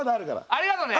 ありがとね。